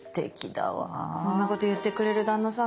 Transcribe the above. こんなこと言ってくれる旦那さん